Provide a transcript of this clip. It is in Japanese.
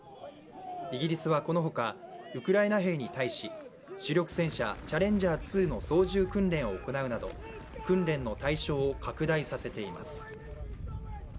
イギリスはこのほか、ウクライナ兵に対し主力戦車チャレンジャー２の操縦訓練を行うなど訓練の対象を拡大させています。